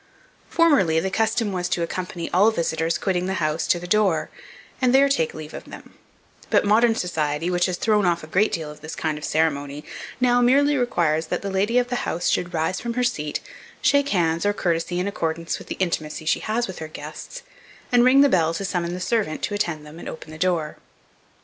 Formerly the custom was to accompany all visitors quitting the house to the door, and there take leave of them; but modern society, which has thrown off a great deal of this kind of ceremony, now merely requires that the lady of the house should rise from her seat, shake hands, or courtesy, in accordance with the intimacy she has with her guests, and ring the bell to summon the servant to attend them and open the door.